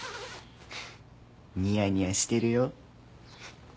ニヤニヤしてるよ。